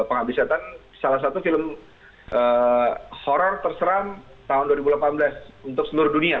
penghabis setan salah satu film horror terseram tahun dua ribu delapan belas untuk seluruh dunia